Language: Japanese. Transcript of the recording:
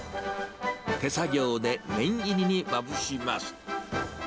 手作業で念入りにまぶします。